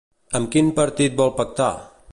Amb quin partit vol pactar?